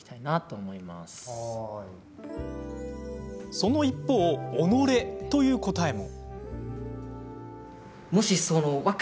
その一方、己という答えも。